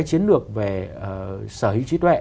chiến lược về sở hữu trí tuệ